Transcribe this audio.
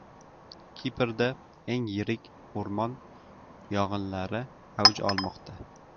Kiprda eng yirik o‘rmon yong‘inlari avj olmoqda